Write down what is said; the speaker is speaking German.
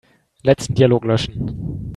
Letzten Dialog löschen.